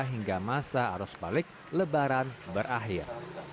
hingga masa arus balik lebaran berakhir